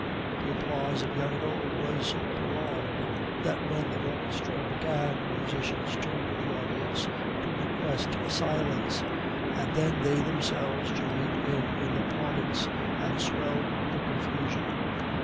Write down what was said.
The applause of young and old was so prolonged, that when the orchestra began, the musicians turned to the audience to request silence, and then they themselves joined in the plaudits and swelled the confusion.